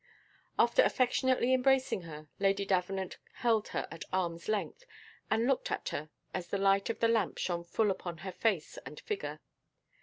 After affectionately embracing her, Lady Davenant held her at arms' length, and looked at her as the light of the lamp shone full upon her face and figure.